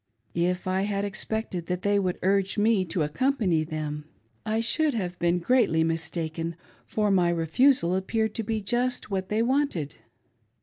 If I had expected that they would urge me to accompany them, I should. have been greatly mistaken, for my refusal appeared to be just what they wanted.